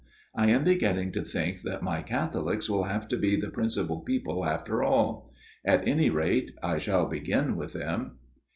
I am beginning to think that my Catholics will have to be the principal people after all. At any rate, I shall begin with them."